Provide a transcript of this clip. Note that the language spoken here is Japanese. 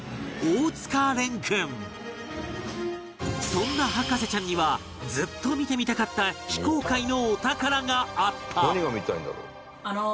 そんな博士ちゃんにはずっと見てみたかった非公開のお宝があった